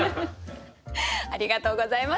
ありがとうございます。